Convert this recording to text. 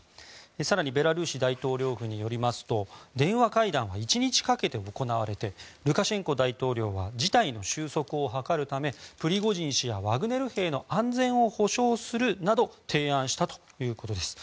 更にベラルーシ大統領府によりますと電話会談は１日かけて行われルカシェンコ大統領は事態の収束を図るためプリゴジン氏やワグネル兵の安全を保証するなど提案したということです。